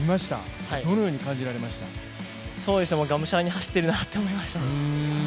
見ました、がむしゃらに走っているなと思いました。